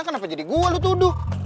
kenapa jadi gue lu tuduh